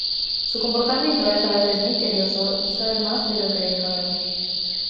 Su comportamiento es a veces misterioso y sabe más de lo que deja ver.